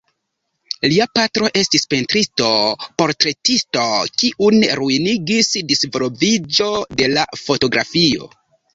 Lia patro estis pentristo-portretisto kiun ruinigis disvolviĝo de la fotografio.